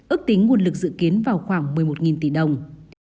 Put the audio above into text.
ước tính nguồn lực dự kiến vào khoảng một mươi một tỷ đồng